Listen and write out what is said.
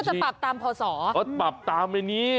นึกว่าจะปรับตามพอศอ